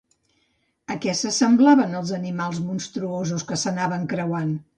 A què s'assemblaven els animals monstruosos que s'anaven creuant?